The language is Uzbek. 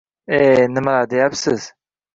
E, nimlar deyapsiz